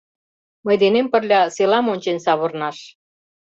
— Мый денем пырля селам ончен савырнаш.